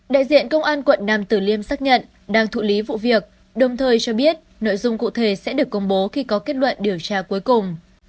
đại diện công an quận nam tử liêm xác nhận đang thụ lý vụ việc đồng thời cho biết nội dung cụ thể sẽ được công bố khi có kết luận điều tra cuối cùng